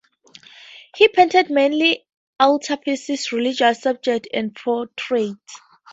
He painted mainly altarpieces, religious subjects and portraits.